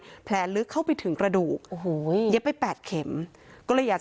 แผลลึกเข้าไปถึงกระดูกโอ้โหเย็บไปแปดเข็มก็เลยอยากจะ